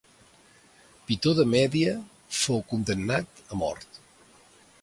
Pitó de Mèdia fou condemnat a mort.